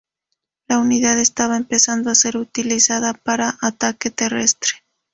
La unidad estaba empezando a ser utilizada para ataque terrestre.